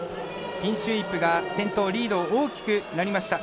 ピンシュー・イップが先頭リードを大きくなりました。